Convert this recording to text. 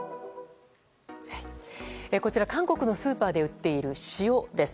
こちら、韓国のスーパーで売っている塩です。